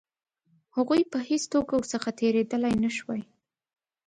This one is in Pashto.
هغوی په هېڅ توګه ورڅخه تېرېدلای نه شوای.